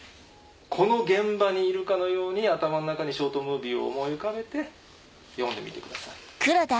この現場にいるかのように頭の中にショートムービーを思い浮かべて読んでみてください。